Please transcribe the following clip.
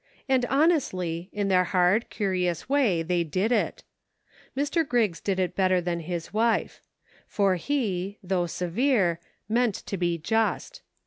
And honestly, in their hard, curious way, they did it. Mr. Griggs did it better than his wife. For he, though severe, meant to be just.